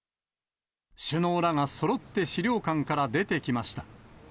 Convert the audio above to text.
首脳らがそろって資料館から出てきました。